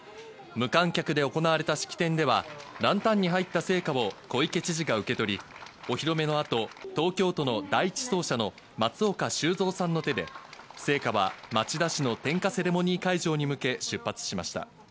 無観客で行われた式典では、ランタンに入った聖火を小池知事が受け取り、お披露目のあと東京都の第１走者の松岡修造さんの手で聖火は町田市の点火セレモニー会場に向け出発しました。